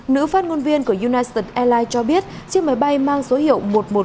nữ phát ngôn viên của united airlines cho biết chiếc máy bay mang số hiệu một nghìn một trăm linh bốn